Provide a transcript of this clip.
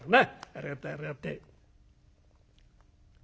ありがてえありがてえ」。